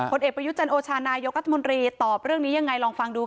คนเอ็ดประยุจนโอชานายกรัฐมนฤตอบเรื่องนี้อย่างไรลองฟังดูค่ะ